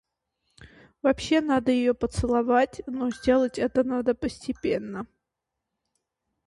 Вообще надо её поцеловать, но сделать это надо постепенно.